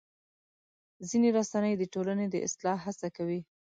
ځینې رسنۍ د ټولنې د اصلاح هڅه کوي.